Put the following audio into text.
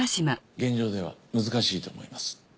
現状では難しいと思います。